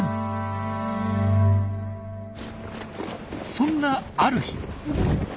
そんなある日。